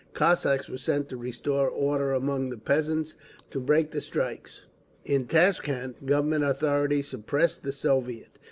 Cossacks were sent to restore order among the peasants, to break the strikes. In Tashkent, Government authorities suppressed the Soviet.